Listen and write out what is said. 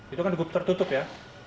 itu kan tertutup ya